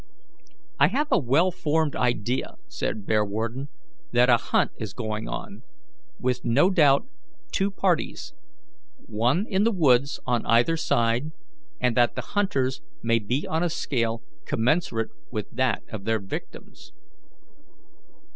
"I have a well formed idea," said Bearwarden, "that a hunt is going on, with no doubt two parties, one in the woods on either side, and that the hunters may be on a scale commensurate with that of their victims."